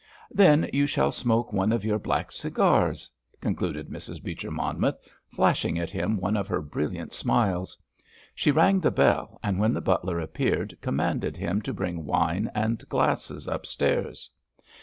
"Then you shall smoke one of your black cigars," concluded Mrs. Beecher Monmouth, flashing at him one of her brilliant smiles. She rang the bell, and when the butler appeared, commanded him to bring wine and glasses upstairs.